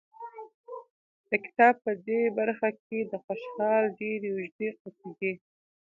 د کتاب په دې برخه کې د خوشحال ډېرې اوږې قصیدې